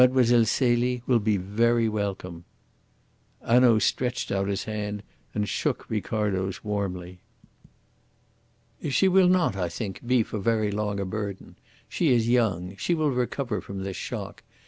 Mlle. Celie will be very welcome." Hanaud stretched out his hand and shook Ricardo's warmly. "She will not, I think, be for very long a burden. She is young. She will recover from this shock.